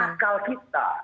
itu menunjukkan akal kita